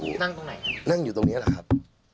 นั่งตรงไหนครับนั่งอยู่ตรงนี้แหละครับ